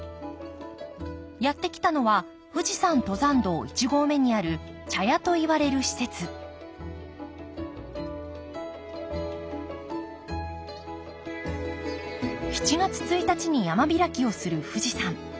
やって来たのは富士山登山道一合目にある茶屋といわれる施設７月１日に山開きをする富士山。